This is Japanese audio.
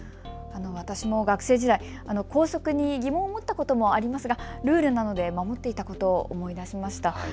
私も学生時代、校則に疑問を持ったこともありますがルールなので守っていたことを思い出しました。